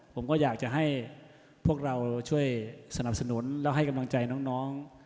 ผมก็อยากจะให้พวกเราช่วยสนับสนุนแล้วให้กำลังใจน้อง